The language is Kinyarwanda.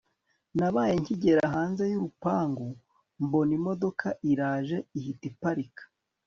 nabaye nkigera hanze yurupangu mbona imodoka iraje ihita iparika